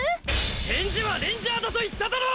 返事はレンジャーだと言っただろう！